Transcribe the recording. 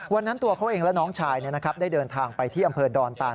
ตัวเขาเองและน้องชายได้เดินทางไปที่อำเภอดอนตาน